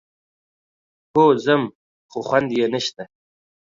هو ځم، خو خوند يې نشته.